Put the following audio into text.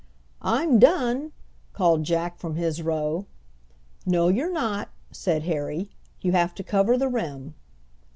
"I'm done," called Jack from his row. "No, you're not," said Harry, "you have to cover the rim."